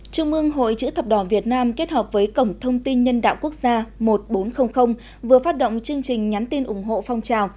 trung mương hội chữ thập đỏ việt nam kết hợp với cổng thông tin nhân đạo quốc gia một nghìn bốn trăm linh vừa phát động chương trình nhắn tin ủng hộ phong trào